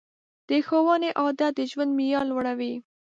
د ښوونې عادت د ژوند معیار لوړوي.